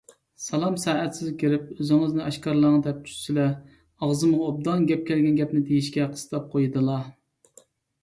سالام سائەتسىز كىرىپ «ئۆزىڭىزنى ئاشكارىلاڭ» دەپ چۈشسىلە ئاغزىمغا ئوبدان كەلگەن گەپنى دېيىشكە قىستاپ قويىدىلا.